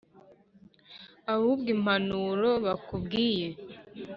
ahubwo impanuro bakubwiye,